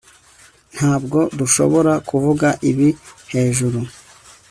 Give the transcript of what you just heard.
Ntabwo dushobora kuvuga ibi hejuru